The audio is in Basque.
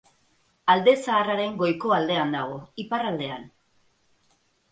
Alde Zaharraren goiko aldean dago, iparraldean.